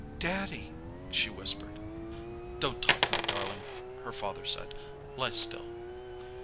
"Daddy!" she whispered. "Don't talk, my darling," her father said. "Lie still."